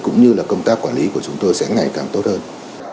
cũng như là công tác quản lý của chúng tôi sẽ ngày càng tốt hơn